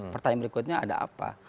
pertanyaan berikutnya ada apa